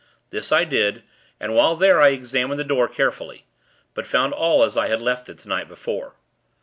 This, I did, and, while there, I examined the door, carefully; but found all as I had left it the night before.